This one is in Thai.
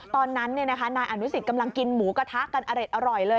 ตอนนั้นนายอนุสิตกำลังกินหมูกระทะกันอร็ดอร่อยเลย